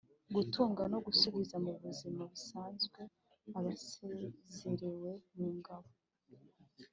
gutuza no gusubiza mu buzima busanzwe abasezerewe mu ngabo.